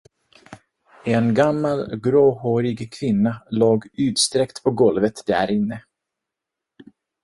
En gammal, gråhårig kvinna låg utsträckt på golvet därinne.